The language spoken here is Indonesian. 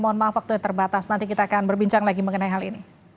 mohon maaf waktunya terbatas nanti kita akan berbincang lagi mengenai hal ini